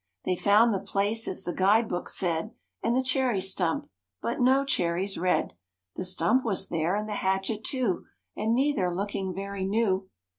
They found the place as the guide books said And the cherry stump, but no cherries red; The stump was there and the hatchet too And neither looking very new.